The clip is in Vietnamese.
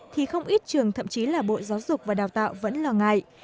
thì không ít trường thậm chí là bộ giáo dục và đào tạo vẫn lo ngại